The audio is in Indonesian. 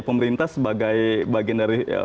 pemerintah sebagai bagian dari